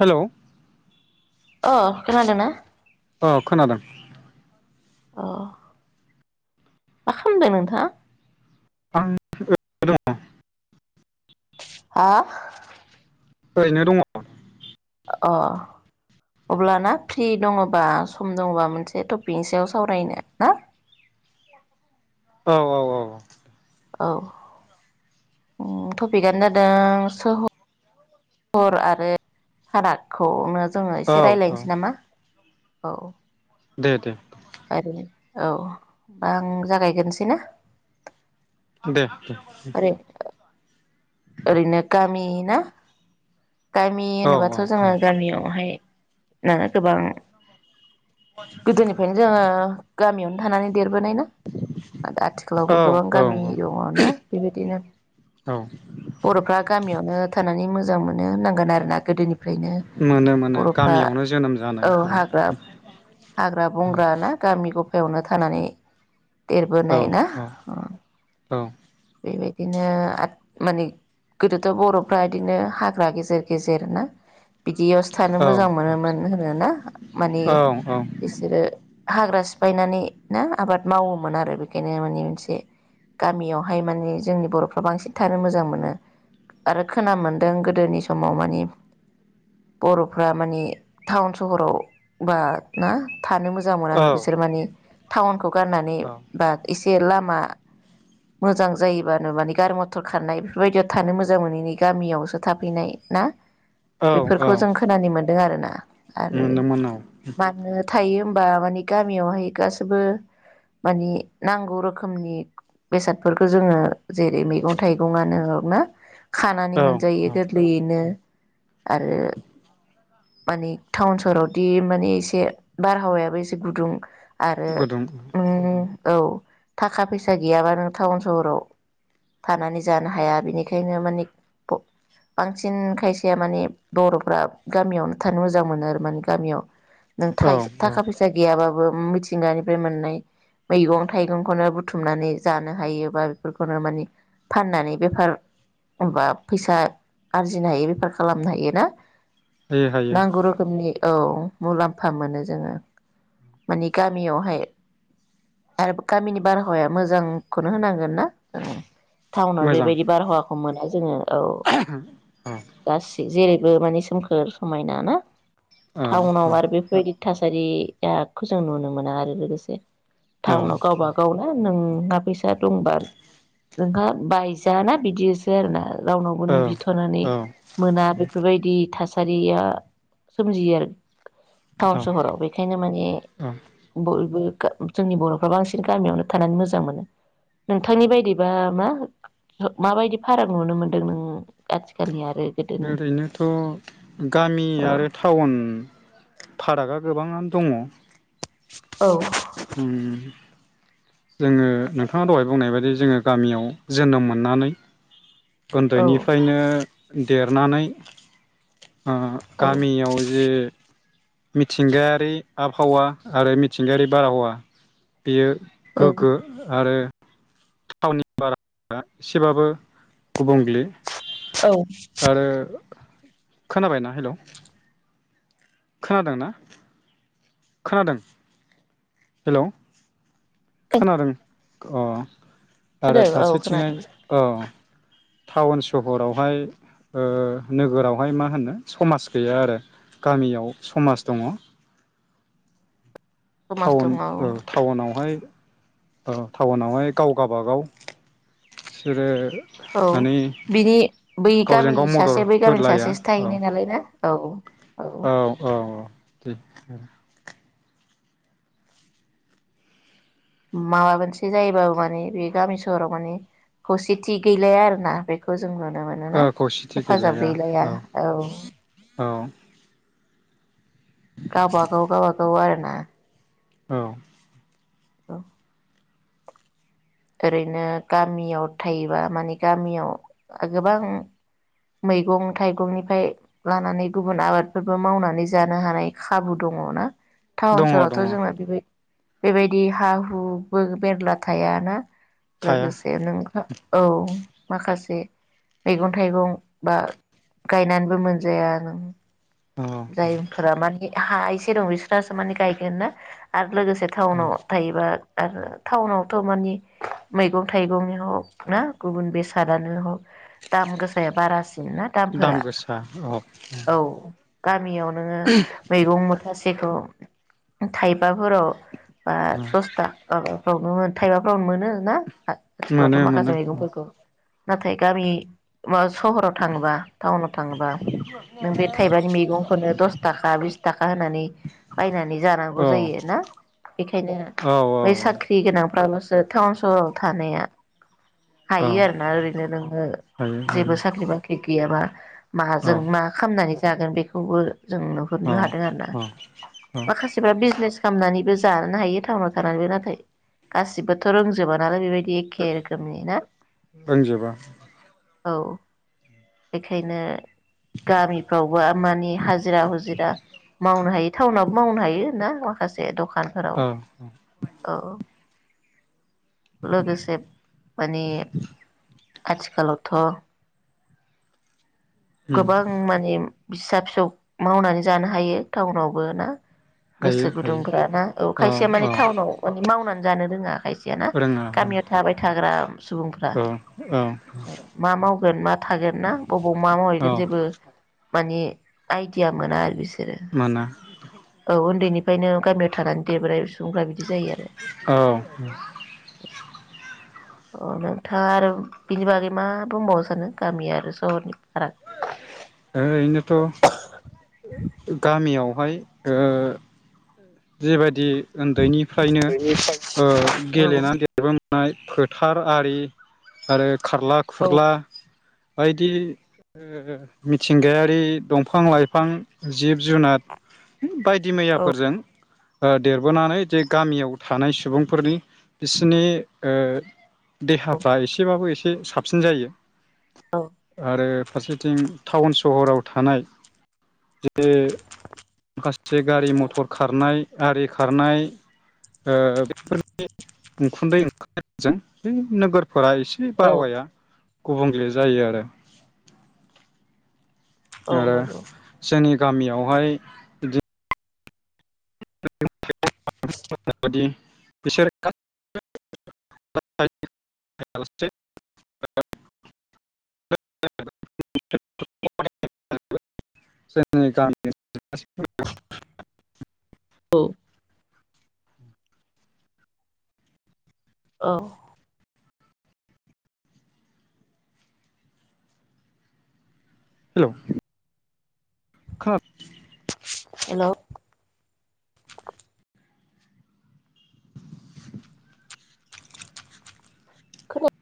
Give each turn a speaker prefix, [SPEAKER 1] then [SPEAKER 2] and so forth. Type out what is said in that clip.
[SPEAKER 1] हेल!
[SPEAKER 2] अ खोनादों ना?
[SPEAKER 1] खोनादों।
[SPEAKER 2] अ, मा खालामदों नोंथाङा?
[SPEAKER 1] आं [unintelligible] दङ।
[SPEAKER 2] हा?
[SPEAKER 1] ओरैनो दङ।
[SPEAKER 2] अ, अब्लाना फ्रि दङबा सम दङबा मोनसे टपिकनि सायाव सावरायनो ना?
[SPEAKER 1] औ औ औ
[SPEAKER 2] औ। उम टपिकआानो जादों सहर आरो फारागखौ नो जोङो
[SPEAKER 1] औ
[SPEAKER 2] एसे
[SPEAKER 1] औ
[SPEAKER 2] रायज्लायनोसै नामा? औ।
[SPEAKER 1] दे दे
[SPEAKER 2] आरो औ होमबा आं जागायग्रोनोसै ना?
[SPEAKER 1] दे दे।
[SPEAKER 2] ओरै ओरैनो गामि ना गामि
[SPEAKER 1] औ
[SPEAKER 2] होनोबाथ
[SPEAKER 1] औ
[SPEAKER 2] जोङो गामियावहाय नोङो गोबां गोदोनिफ्रायनो जोङो गामियावनो थानानै देरबोनाय ना,
[SPEAKER 1] औ
[SPEAKER 2] आथिखालावबो गोबां
[SPEAKER 1] औ
[SPEAKER 2] गामि दङना बेबायदिनो
[SPEAKER 1] औ
[SPEAKER 2] बरफ्रा गामियावनो थानानै मोजां मोनो होननांगोन आरोना गोदोनि फ्रायनो
[SPEAKER 1] मोनो मोनो
[SPEAKER 2] बरफ्रा
[SPEAKER 1] गामियावनो जोनोम जानाय
[SPEAKER 2] औ
[SPEAKER 1] जाबाय
[SPEAKER 2] हाग्रा हाग्रा बंग्रा ना गामि ग फायावनो थानानै
[SPEAKER 1] औ
[SPEAKER 2] देरबोनाय ना
[SPEAKER 1] औ औ
[SPEAKER 2] ओ। बेबायदि नो माने गोदोथ बरफ्रा बिदिनो हा फ्रा गेजेर गेजेरनो बिदियावसो थानो मोजां मोनोमोन होनोना माने
[SPEAKER 1] औ औ
[SPEAKER 2] बिसोरो हाग्रा सिफायनानै ना आबाद मावोमोन आरो बेखायनो माने मोनसे गामियावहाय माने जोंनि बरफ्रा बांसिन थानो मोजां मोनो आरो खोना मोन्दों गो गोदोनि समाव माने बरफ्रा माने टाउन सहराव बा ना थानो मोजां मोनानो बिसोर माने टाउनखौ गारनानै बा इस र लामा मोजां जायोबानो माने गारि मथर खारनाय बेफोरबायदियाव थानो मोजां मोनैनि गामियावसो थाफैनाय ना बेफोरखौ जों खोनानो मोन दों आरोना आरो
[SPEAKER 1] मोनदोंमोन औ
[SPEAKER 2] मानो थायो होनबा मानि गामियावहाय गासैबो मानि नांगौ रोखोमनि बेसादफोरखौ जोङो जेरै- मैगं थाइगंआनो ना? खानानै
[SPEAKER 1] औ
[SPEAKER 2] मोनजायो
[SPEAKER 1] औ
[SPEAKER 2] बेनो आरो माने टाउन सहरावदि माने एसे बारहावायाबो एसे गुदुं आरो
[SPEAKER 1] गुदुं
[SPEAKER 2] उम औ थाखा फैसा गैयाबा नों टाउन सहराव थानानै जानो हाया बेनिखायनो माने [unintelligible] बांसिन खायसेया माने बर'फ्रा गामियावनो थानो मोजां मोनो आरो माने गामियाव नों
[SPEAKER 1] औ
[SPEAKER 2] थाइसे
[SPEAKER 1] औ
[SPEAKER 2] थाखा फैसा गैयाबाबो ओम मिथिंगानिफ्राय मोननाय मैगं थाइगंखौनो बुथुमनानै जानो हायो बा बेफोरखौनो माने फाननानै बेफार बा फैसा आरजिनो हायो बेफार खालामनो हायो ना?
[SPEAKER 1] हायो हायो
[SPEAKER 2] नांगौ रोखोमनि औ मुलाम्फा मोनो जोङो माने गामियावहाय आरो गामिनि बारहावाया मोजांखौनो होनांगोन ना उम टाउनआव
[SPEAKER 1] मोजां
[SPEAKER 2] बेबायदि बारहावाखौ मोना जोङो औ
[SPEAKER 1] औ
[SPEAKER 2] गासै जेरैबो माने सोमखोर समायना ना?
[SPEAKER 1] औ
[SPEAKER 2] टाउनआव
[SPEAKER 1] औ
[SPEAKER 2] आरो बेफोरबायदि थासारियाखौ जों नुनो मोना आरो लोगोसे टाउनआव गावबा गाव ना नों नोंहा फैसा दंबा नोंहा बाय जा ना बिदियोसो आरो ना रावनावबो
[SPEAKER 1] औ
[SPEAKER 2] नों बि थ'नानै
[SPEAKER 1] औ
[SPEAKER 2] मोना बेफोरबायदि थासा सारिया सोमजियो आरो
[SPEAKER 1] औ
[SPEAKER 2] टाउन सहराव बेखायनो माने
[SPEAKER 1] औ
[SPEAKER 2] बयबो गा जोंनि बर'फ्रा बांसिन गामियावनो थानानै मोजां मोनो नोंथांनि बायदिबा मा माबायदि फाराख नुनो मोनदों नोङो?
[SPEAKER 1] ओरैनोथ' गामि
[SPEAKER 2] औ
[SPEAKER 1] आरो टाउन फारागा गोबाङानो दङ।
[SPEAKER 2] [unintelligible] औ
[SPEAKER 1] ओम जोङो नोंथाङा दहाय बुंनाय बायदि जोङो गामियाव जोनोम मोननानै उन्दैनिफायनो देरनानै ओ
[SPEAKER 2] औ
[SPEAKER 1] गामियाव जे मिथिंगायारि आबहावा आरो मिथिंगायारि बार हावा बेयो गोग्गो
[SPEAKER 2] औ
[SPEAKER 1] आरो [inaudible] [unintelligible] बारा एसेबाबो गुबुंलि [inaudible] आरो खोनाबायना? हेलौ खोनादों ना खोनादों? हेलौ खोनादों? अ आरो
[SPEAKER 2] खोनादों औ
[SPEAKER 1] फारसेथिंहाय,
[SPEAKER 2] खोनादों
[SPEAKER 1] औ टाउन सहरावहाय ओ नोगोरावहाय मा होनो समाज गैया आरो गामियाव समाज दङ।
[SPEAKER 2] समाज दङ
[SPEAKER 1] टाउन
[SPEAKER 2] औ
[SPEAKER 1] ओ टाउनावहाय ओ टाउनावहाय गाव गाबागाव बिसोरो
[SPEAKER 2] औ
[SPEAKER 1] माने
[SPEAKER 2] बिनि बै
[SPEAKER 1] गावजों गाव
[SPEAKER 2] गामिनि
[SPEAKER 1] मदद
[SPEAKER 2] सासे बै गामिनि
[SPEAKER 1] होलाया
[SPEAKER 2] सासेसो
[SPEAKER 1] औ
[SPEAKER 2] थाहैनाय नालाय ना? औ
[SPEAKER 1] औ औ औ दे आरो
[SPEAKER 2] माबा मोनसे जायोबाबो माने बे गामि सहराव माने खौसेथि गैलाया आरोना बेखौ जों जों नुनो मोनोना
[SPEAKER 1] ओ खौसेथि
[SPEAKER 2] हेफाजाब गैलाया
[SPEAKER 1] औ
[SPEAKER 2] औ।
[SPEAKER 1] औ
[SPEAKER 2] गावबागाव गावबागाव आरो। ना?
[SPEAKER 1] औ।
[SPEAKER 2] औ। ओरैनो गामियाव थायोबा माने गामियाव गोबां मैगं थाइगंनिफाय लानानै गुबुन आबादफोरबो मावनानै जानो हानाय खाबु दङ ना। टाउन
[SPEAKER 1] दङ
[SPEAKER 2] सहरावथ
[SPEAKER 1] दङ
[SPEAKER 2] जोंना बेबाय बेबायदि हा हु बो मेरला थायाना?
[SPEAKER 1] थाया
[SPEAKER 2] लोगोसे नोंहा औ माखासे मैगं थाइगं बा गायनानैबो मोनजाया नों
[SPEAKER 1] औ
[SPEAKER 2] जायफोरा मान हा एसे दं बिस्रासो माने गायगोन ना आरो लोगोसे
[SPEAKER 1] औ
[SPEAKER 2] टाउनाव थायोबा आरो टाउनावथ मानि मैगं थाइगंनि हग ना गुबुन बेसादानो हग दाम गोसाया बारासिन ना
[SPEAKER 1] दाम
[SPEAKER 2] दामफोरा,
[SPEAKER 1] गोसा औ
[SPEAKER 2] औ। गामियाव नोङो मैगं मुथासेखौ थाइब फोराव बा दस था माबा फ्राव थाइबा फ्रावनो मोनो ना? आ स्कुलावथ
[SPEAKER 1] मोनो
[SPEAKER 2] माखासे
[SPEAKER 1] मोनो
[SPEAKER 2] मैगंफोरखौ नाथाय गामि मा सहराव थाङोबा टाउनाव थाङोबा नों बे थाइबानि मैगं खौनो द थाखा बिस थाखा होननानै बायनानै
[SPEAKER 1] औ
[SPEAKER 2] जानांगौ जायो ना बेखायनो
[SPEAKER 1] औ
[SPEAKER 2] बै
[SPEAKER 1] औ
[SPEAKER 2] साख्रि गोनां फ्रालसो टाउन सहराव थानाया
[SPEAKER 1] औ
[SPEAKER 2] हायो आरोना ओरैनो नोङो
[SPEAKER 1] हायो हायो
[SPEAKER 2] जेबो साख्रि बाख्रि गैयाबा माजों
[SPEAKER 1] औ
[SPEAKER 2] मा खामनानै जागोन बेखौ खौबो जों नुहुरनो हादों आरो ना
[SPEAKER 1] औ औ औ
[SPEAKER 2] माखासेफ्रा बिजनेस खालामनानैबो जानो हायो टाउनाव थानानैबो नाथाय गासिबोथ रोंजोबा नालाय बेबायदि एखे रोखोम नि
[SPEAKER 1] रोंजोबा
[SPEAKER 2] औ बेखायनो गामिफ्रावबो खामानि हाजिरा हुजिरा मावनो हायो टाउनाबो मावनो हायो ना माखासे दखान खानफोराव
[SPEAKER 1] औ
[SPEAKER 2] औ लोगोसे मानि आथिखालावथ
[SPEAKER 1] उम
[SPEAKER 2] गोबां माने फिसा फिसौ मावनानै जानो हायो टाउनावबो ना
[SPEAKER 1] हायो
[SPEAKER 2] गोसो
[SPEAKER 1] हायो
[SPEAKER 2] गुदुंफ्रा ना औ खायसे माने टाउनाव माने मावनानै जानो रोङाखाय जाना
[SPEAKER 1] रोङा रोङा
[SPEAKER 2] गामियाव थाबाय थाग्रा सुबुंफ्रा
[SPEAKER 1] औ औ
[SPEAKER 2] मा मावगोन मा थागोन ना बबाव मा मावै
[SPEAKER 1] औ
[SPEAKER 2] जेबो माने आइडिया मोना आरो बिसोर बि
[SPEAKER 1] मोना
[SPEAKER 2] औ उन्दैनि ओंखायनो गामियाव थानानै देब्राय संग्रा बिदि जायो आरो
[SPEAKER 1] औ
[SPEAKER 2] अ नोंथाङा आरो बिनि बागै मा बुंबावनो सानो गामि आरो सहरनि फाराग?
[SPEAKER 1] ओ इनोथ' गामियाव हाय ओ जिबायदि ओन्दैनिफ्रायनो
[SPEAKER 2] औ
[SPEAKER 1] गेलेनानै देरबो नाय फोथार आरि आरो खारला
[SPEAKER 2] औ
[SPEAKER 1] खुरला बायदि ओ मिथिंगायारि दंफां लाइफां जिब जुनार बायदि
[SPEAKER 2] औ
[SPEAKER 1] मैयाफोरजों ओ देरबोनानै जे गामियाव थानाय सुबुंफोरनि बिसिनि ओ देहाफ्रा एसेबाबो एसे [unintelligible] साबसिन जायो
[SPEAKER 2] औ
[SPEAKER 1] आरो फारसेथिं टाउन स- सहराव थानाय बे [unintelligible] से गारि मथर खार नाय आरि खारनाय ओ [unintelligible] नोगोर फोर एसे
[SPEAKER 2] औ
[SPEAKER 1] बाहावाया गुबुंले जायो आरो
[SPEAKER 2] औ
[SPEAKER 1] आरो
[SPEAKER 2] नंगौ
[SPEAKER 1] जोंनि गामियावहाय बिदि [unintelligible]
[SPEAKER 2] औ औ
[SPEAKER 1] हेलौ खोना
[SPEAKER 2] हेलौ [unintelligible]